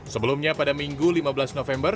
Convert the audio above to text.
sebelumnya pada minggu lima belas november